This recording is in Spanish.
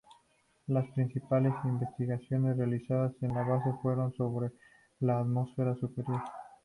Las principales investigaciones realizadas en la base fueron sobre la atmósfera superior.